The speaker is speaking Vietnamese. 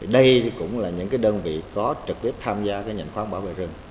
đây cũng là những đơn vị có trực tiếp tham gia nhận khoán bảo vệ rừng